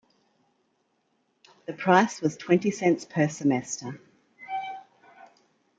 The price was twenty cents per semester.